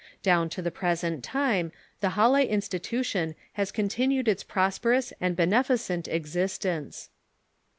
Down to the present time the Halle institution has continued its prosperous and beneficent existence.